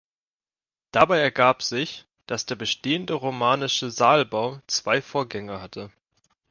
Dabei ergab sich, dass der bestehende romanische Saalbau zwei Vorgänger hatte.